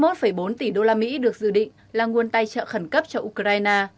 sáu mươi một bốn tỷ usd được dự định là nguồn tài trợ khẩn cấp cho ukraine